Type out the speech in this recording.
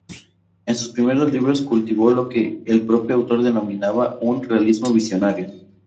En sus primeros libros cultivó lo que el propio autor denominaba un "realismo visionario".